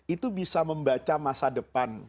itu bisa membaca masa depan